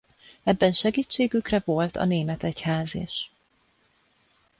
Ebben segítségükre volt a német egyház is.